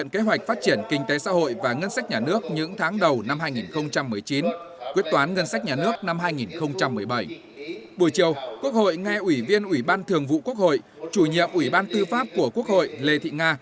buổi chiều quốc hội nghe ủy viên ủy ban thường vụ quốc hội chủ nhiệm ủy ban tư pháp của quốc hội lê thị nga